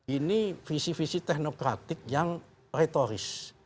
ini visi visi teknokratik yang retoris